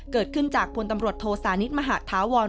เกิดขึ้นจากพลตำรวจโทสานิทมหาธาวร